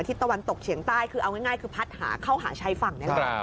ทิศตะวันตกเฉียงใต้คือเอาง่ายคือพัดหาเข้าหาชายฝั่ง